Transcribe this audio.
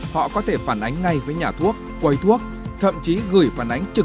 họ có thể phản ánh ngay với nhà thuốc quầy thuốc